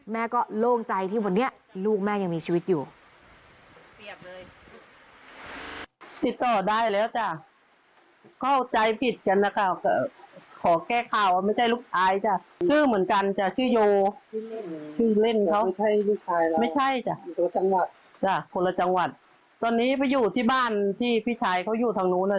แม่ก็โล่งใจที่วันนี้ลูกแม่ยังมีชีวิตอยู่